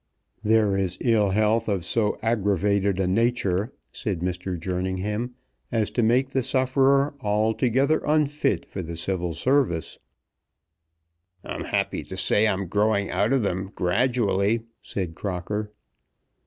"There is ill health of so aggravated a nature," said Mr. Jerningham, "as to make the sufferer altogether unfit for the Civil Service." "I'm happy to say I'm growing out of them gradually," said Crocker.